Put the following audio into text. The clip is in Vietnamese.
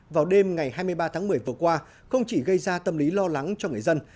vào đêm ngày hai mươi ba tháng một mươi vừa qua không chỉ gây ra tâm lý lo lắng cho người dân